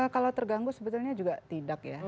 kalau terganggu sebetulnya juga tidak ya